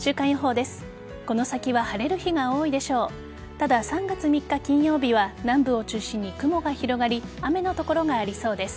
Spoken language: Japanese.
ただ、３月３日金曜日は南部を中心に雲が広がり雨の所がありそうです。